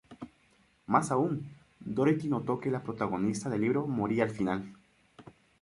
Más aún, Dorothy notó que la protagonista del libro moría al final